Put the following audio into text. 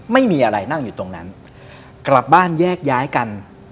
ไม่มีอะไรนั่งอยู่ตรงนั้นกลับบ้านแยกย้ายกัน